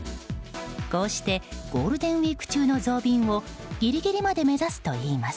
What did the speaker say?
こうしてゴールデンウィーク中の増便をギリギリまで目指すといいます。